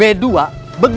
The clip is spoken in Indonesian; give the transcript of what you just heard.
begitu juga seterusnya